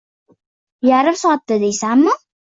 Yarim soatda, deysanmi